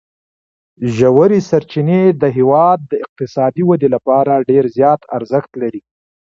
ژورې سرچینې د هېواد د اقتصادي ودې لپاره ډېر زیات ارزښت لري.